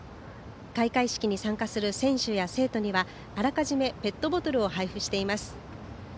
開会式に参加する選手や生徒にはあらかじめペットボトルを配布しています。